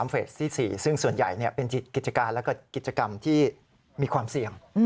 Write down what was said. เฟสที่๔ซึ่งส่วนใหญ่เป็นกิจการและกิจกรรมที่มีความเสี่ยง